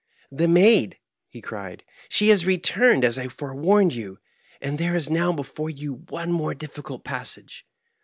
"The maid I" he cried. "She has returned, as I forewarned you, and there is now before you one more difficult passage.